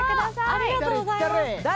ありがとうございます